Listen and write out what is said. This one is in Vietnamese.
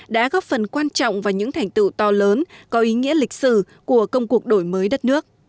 đã góp phần quan trọng vào những thành tựu to lớn có ý nghĩa lịch sử của công cuộc đổi mới đất nước